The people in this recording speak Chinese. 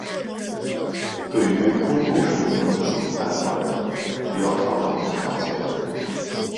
对于中度肾功能损害患者需要调整用药剂量。